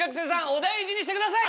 お大事にしてください！